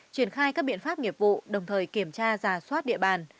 triển khai các biện pháp nghiệp vụ đồng thời kiểm tra giả soát địa bàn